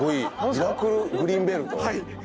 ミラクルグリーンベルト？